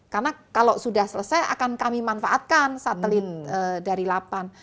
karena kalau sudah selesai akan kami manfaatkan satelit dari lapan